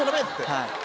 はい。